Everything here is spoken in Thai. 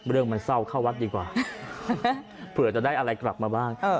เรื่องมันเศร้าเข้าวัดดีกว่าเผื่อจะได้อะไรกลับมาบ้าง